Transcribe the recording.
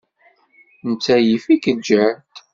Netta yif-ik ljehd.